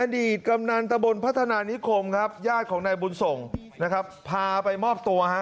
อดีตกำนันตะบนพัฒนานิคมครับญาติของนายบุญส่งนะครับพาไปมอบตัวฮะ